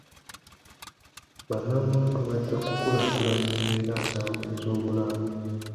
Bannamwandu bajja ku kulaakulanya embeera zaabwe ez'obulamu.